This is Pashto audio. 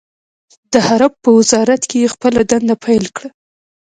د حرب په وزارت کې يې خپله دنده پیل کړه.